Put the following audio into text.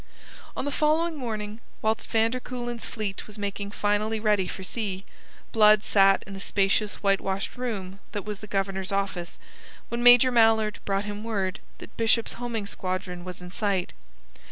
On the following morning, whilst van der Kuylen's fleet was making finally ready for sea, Blood sat in the spacious whitewashed room that was the Governor's office, when Major Mallard brought him word that Bishop's homing squadron was in sight.